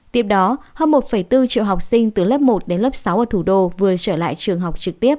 tiếp đó hơn một bốn triệu học sinh từ lớp một đến lớp sáu ở thủ đô vừa trở lại trường học trực tiếp